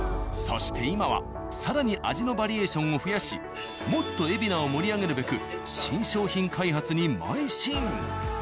そして今は更に味のバリエーションを増やしもっと海老名を盛り上げるべく新商品開発にまい進。